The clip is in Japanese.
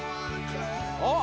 あっ！